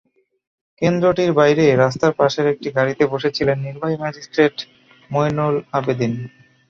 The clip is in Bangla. কেন্দ্রটির বাইরে রাস্তার পাশের একটি গাড়িতে বসে ছিলেন নির্বাহী ম্যাজিস্ট্রেট মঈনুল আবেদীন।